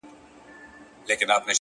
ائینه زړونه درواغ وایي چي نه مرو _